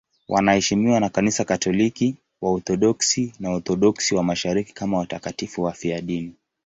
Wanaheshimiwa na Kanisa Katoliki, Waorthodoksi na Waorthodoksi wa Mashariki kama watakatifu wafiadini.